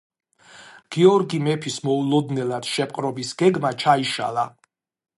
გიორგი მეფის მოულოდნელად შეპყრობის გეგმა ჩაიშალა.